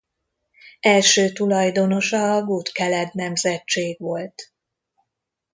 Első tulajdonosa a Gutkeled nemzetség volt.